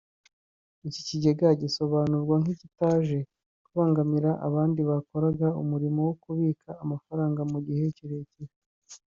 Iki kigega gisobanurwa nk’ikitaje kubangamira abandi bakoraga umurimo wo kubika amafaranga mu gihe kirekire